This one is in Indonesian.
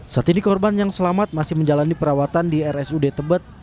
saat ini korban yang selamat masih menjalani perawatan di rsud tebet